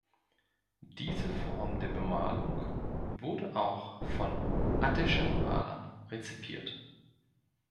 Diese Form der Bemalung wurde auch von attischen Malern rezipiert.